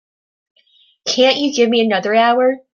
Can't you give me another hour?